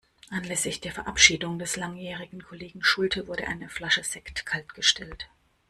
Anlässlich der Verabschiedung des langjährigen Kollegen Schulte wurde eine Flasche Sekt kaltgestellt.